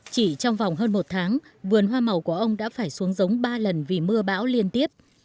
chỉ trong vòng hơn một tháng vườn hoa màu của ông đã phải xuống giống ba lần vì mưa bão liên tiếp